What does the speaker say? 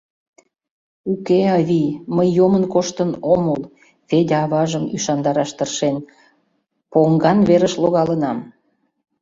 «Уке, авий, мый йомын коштын ом ул, — Федя аважым ӱшандараш тыршен: — поҥган верыш логалынам